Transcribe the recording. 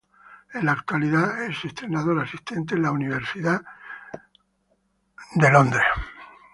En la actualidad es entrenador asistente en la Universidad de Texas El Paso.